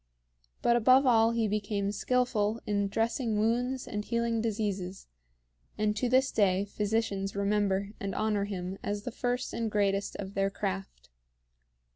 But above all he became skillful in dressing wounds and healing diseases; and to this day physicians remember and honor him as the first and greatest of their craft.